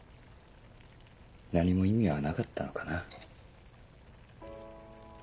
何も意味はなかったのかな。